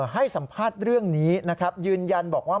ให้สัมภาษณ์เรื่องนี้นะครับยืนยันบอกว่า